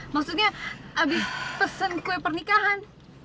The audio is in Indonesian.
maksudnya habis pesen kue pernikahan